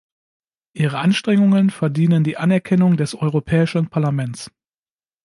Ihre Anstrengungen verdienen die Anerkennung des Europäischen Parlaments.